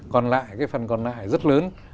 còn lại cái phần còn lại rất lớn